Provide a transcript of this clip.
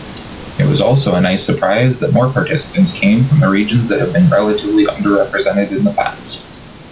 It was also a nice surprise that more participants came from the regions that have been relatively under-represented in the past.